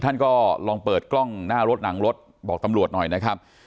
ท่านก็ลองเปิดกล้องหน้ารถหนังรถบอกตำรวจหน่อยนะครับ